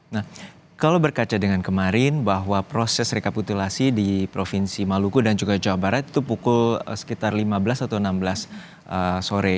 nah kalau berkaca dengan kemarin bahwa proses rekapitulasi di provinsi maluku dan juga jawa barat itu pukul sekitar lima belas atau enam belas sore